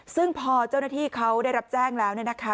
ซึ่งพอเจ้าหน้าที่เขาได้รับแจ้งแล้ว